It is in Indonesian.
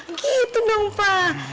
gitu dong pa